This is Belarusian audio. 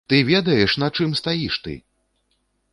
Ты ведаеш, на чым стаіш ты?!